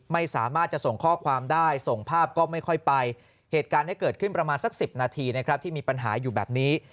ไม่สามารถจะส่งข้อความได้ส่งภาพก็ไม่ค่อยไปเหตุการณ์นี้เกิดขึ้นประมาณสัก๑๐นาทีนะครับที่มีปัญหาอยู่แบบนี้